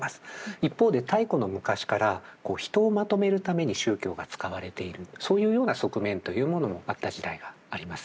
一方で太古の昔から人をまとめるために宗教が使われているそういうような側面というものもあった時代がありますよね。